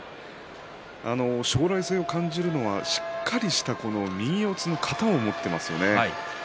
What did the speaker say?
将来性を感じるのはしっかりした右四つの型を持っていますよね。